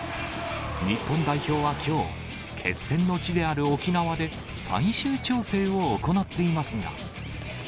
日本代表はきょう、決戦の地である沖縄で、最終調整を行っていますが。